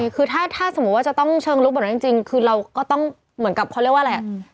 คือถ้าสมมุติว่าจะต้องเชิงลุกแบบนั้นจริงคือเราก็ต้องเหมือนกับเขาเรียกว่าอะไรอ่ะ